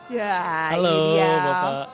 ya ini dia